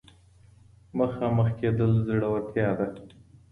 مخامخ کېدل زړورتيا ده.